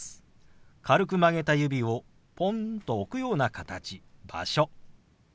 軽く曲げた指をポンと置くような形「場所」。